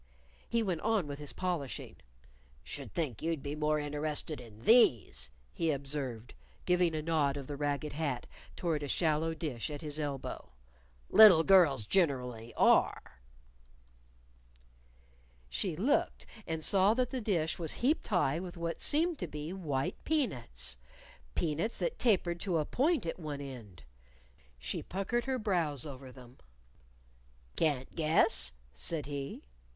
He went on with his polishing. "Should think you'd be more interested in these," he observed, giving a nod of the ragged hat toward a shallow dish at his elbow. "Little girls generally are." She looked, and saw that the dish was heaped high with what seemed to be white peanuts peanuts that tapered to a point at one end. She puckered her brows over them. "Can't guess?" said he.